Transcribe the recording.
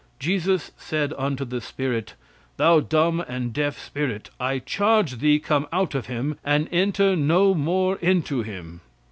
"Jesus said unto the spirit: 'Thou dumb and deaf spirit. I charge thee come out of him, and enter no more into him.'"